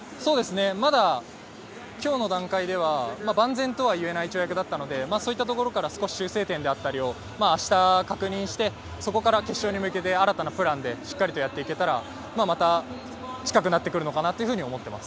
まだ今日の段階では万全とは言えない跳躍だったので、そういったところから修正点だったりを明日確認して、そこから決勝に向けて新たなプランでしっかりやっていけたら、また近くなってくるかなと思っています。